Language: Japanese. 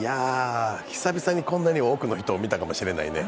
久々にこんなに多くの人を見たかもしれないね。